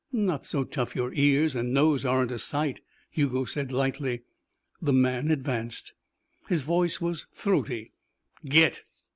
"Not so tough your ears and nose aren't a sight," Hugo said lightly. The man advanced. His voice was throaty. "Git!"